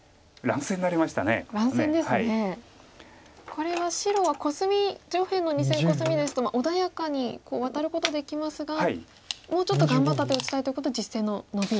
これは白はコスミ上辺の２線コスミですと穏やかにワタることできますがもうちょっと頑張った手を打ちたいということで実戦のノビを。